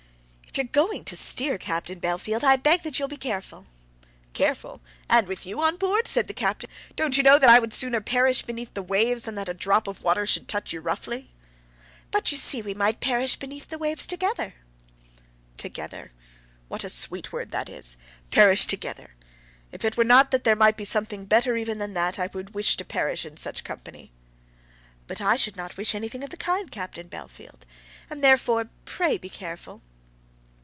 "If you're going to steer, Captain Bellfield, I beg that you'll be careful." "Careful, and with you on board!" said the Captain. "Don't you know that I would sooner perish beneath the waves than that a drop of water should touch you roughly?" "But you see, we might perish beneath the waves together." "Together! What a sweet word that is; perish together! If it were not that there might be something better even than that, I would wish to perish in such company." "But I should not wish anything of the kind, Captain Bellfield, and therefore pray be careful."